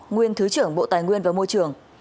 nguyên thứ trưởng bộ tài nguyên và môi trường